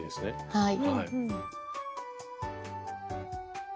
はい。